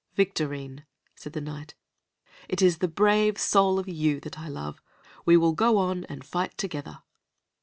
"Victorine," said the Knight, "it is the brave soul of you that I love. We will go on and fight together."